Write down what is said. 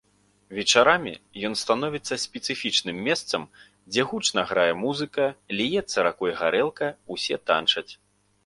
Вечарамі ён становіцца спецыфічным месцам, дзе гучна грае музыка, ліецца ракой гарэлка, усе танчаць.